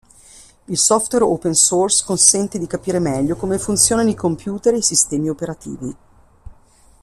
Il software open source consente di capire meglio come funzionano i computer e i sistemi operativi.